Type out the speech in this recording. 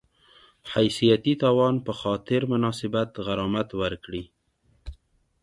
حیثیتي تاوان په خاطر مناسب غرامت ورکړي